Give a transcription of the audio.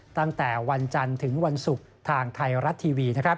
ตั้งแต่วันจันทร์ถึงวันศุกร์ทางไทยรัฐทีวี